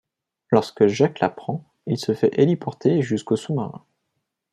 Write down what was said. Lorsque Jack l'apprend, il se fait héliporter jusqu'au sous-marin.